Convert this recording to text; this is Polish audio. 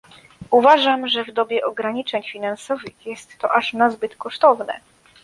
Uważam, że w dobie ograniczeń finansowych jest to aż nazbyt kosztowne